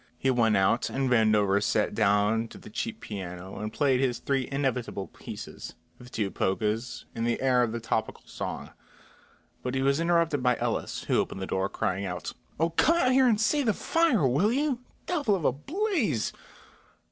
He went out and Vandover sat down to the cheap piano and played his three inevitable pieces, the two polkas and the air of the topical song; but he was interrupted by Ellis, who opened the door, crying out: "Oh, come out here and see the fire, will you? Devil of a blaze!"